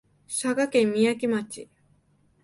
佐賀県みやき町